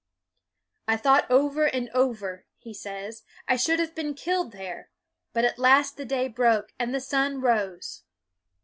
" I thought over and over," he says, " I should have been killed there; but at last the day broke, and the sun rose."